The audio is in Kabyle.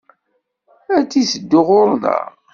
Ad d-itteddu ɣur-nneɣ!